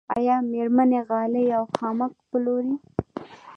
آیا میرمنې غالۍ او خامک پلوري؟